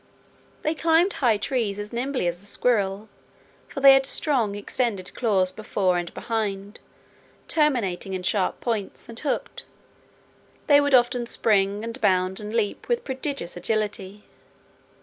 They climbed high trees as nimbly as a squirrel, for they had strong extended claws before and behind, terminating in sharp points, and hooked. They would often spring, and bound, and leap, with prodigious agility.